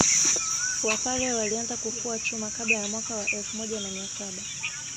Wapare walianza kufua chuma kabla ya mwaka wa elfu moja na mia saba